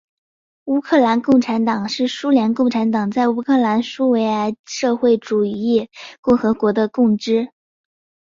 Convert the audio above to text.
乌克兰共产党是苏联共产党在乌克兰苏维埃社会主义共和国的分支。